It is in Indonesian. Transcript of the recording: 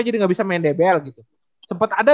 jadi gak bisa main dbl gitu sempet ada